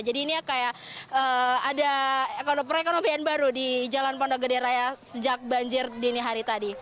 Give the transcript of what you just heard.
jadi ini kayak ada perekonomian baru di jalan pondok gede raya sejak banjir dini hari tadi